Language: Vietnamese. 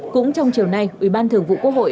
cũng trong chiều nay ủy ban thường vụ quốc hội